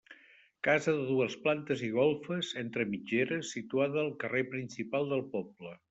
Casa de dues plantes i golfes, entre mitgeres, situada al carrer principal del poble.